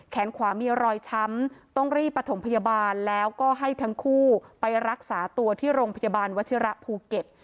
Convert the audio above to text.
ขวามีรอยช้ำต้องรีบประถมพยาบาลแล้วก็ให้ทั้งคู่ไปรักษาตัวที่โรงพยาบาลวัชิระภูเก็ต